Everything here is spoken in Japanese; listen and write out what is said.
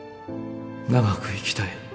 長く生きたい。